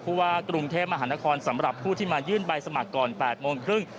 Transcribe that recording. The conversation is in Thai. ว่ากรุงเทพมหานครสำหรับผู้ที่มายื่นใบสมัครก่อน๘โมงครึ่ง